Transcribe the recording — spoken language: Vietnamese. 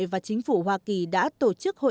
văn hóa châu âu